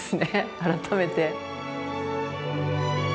改めて。